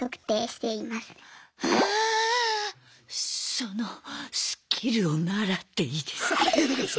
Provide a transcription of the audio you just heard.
そのスキルを習っていいですか？